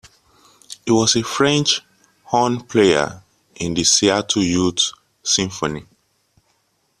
He was a French horn player in the Seattle Youth Symphony.